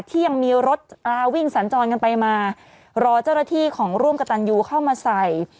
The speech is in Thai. ที่ยังมีรถวิ่งสัญจรกันไปมารอเจ้าหน้าที่ของร่วมกับตันยูเข้ามาใส่